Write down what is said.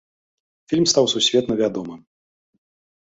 Фільм стаў сусветна вядомым.